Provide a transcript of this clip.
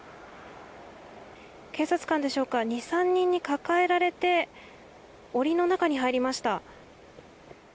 警察官でしょうか２３人に抱えられて檻の中に入りました。